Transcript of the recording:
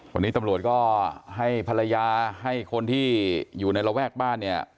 วันนี้ตำรวจก็ให้ภรรยาให้คนที่อยู่ในระแวกบ้านเนี่ย